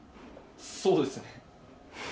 そうですね。